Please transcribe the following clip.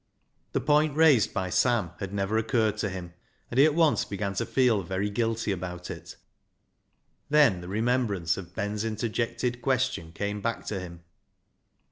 The point raised by Sam had never occurred to him, and he at once began to feel very guilty about it. Then the remembrance of Ben's interjected question came back to him.